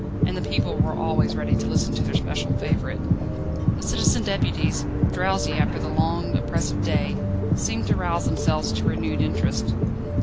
And the people were always ready to listen to their special favourite. The citizen deputies, drowsy after the long, oppressive day, seemed to rouse themselves to renewed interest.